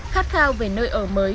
khát khao về nơi ở mới